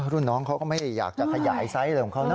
รุ่นน้องเขาก็ไม่ได้อยากจะขยายไซส์อะไรของเขานะ